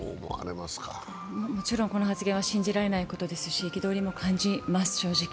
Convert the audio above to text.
もちろんこの発言は信じられないことですし、憤りも感じます、正直。